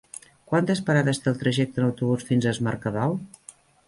Quantes parades té el trajecte en autobús fins a Es Mercadal?